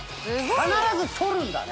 必ず反るんだね。